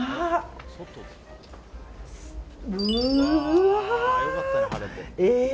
うわ！